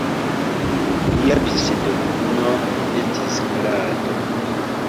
Lia pseŭdonimo estis "Klado".